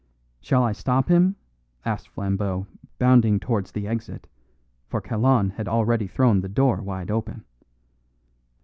"Shall I stop him?" asked Flambeau, bounding towards the exit, for Kalon had already thrown the door wide open.